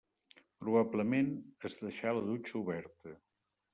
Probablement, es deixà la dutxa oberta.